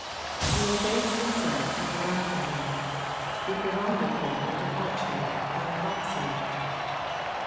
He effaced himself to look after her he provided for her departure by proxy.